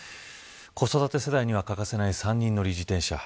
子育て世代には欠かせない３人乗り自転車。